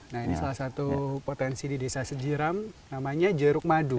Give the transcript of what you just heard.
nah ini salah satu potensi di desa sejiram namanya jeruk madu